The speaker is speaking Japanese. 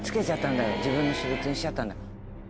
自分の私物にしちゃったんだ。